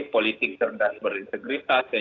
politik serentak berintegritas dan